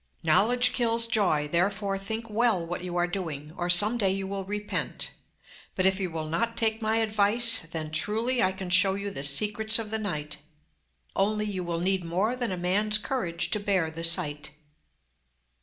Knowledge kills joy, therefore think well what you are doing, or some day you will repent. But if you will not take my advice, then truly I can show you the secrets of the night. Only you will need more than a man's courage to bear the sight.